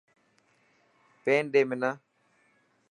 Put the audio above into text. پين ڏي منا.